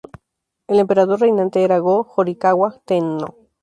El emperador reinante era Go-Horikawa-"tennō".